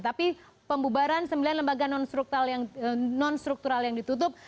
tapi pembubaran sembilan lembaga non struktural yang ditutup